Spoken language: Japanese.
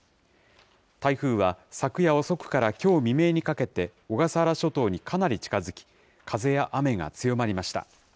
台風は、昨夜遅くからきょう未明にかけて小笠原諸島にかなり近づき、風や雨が強まりました。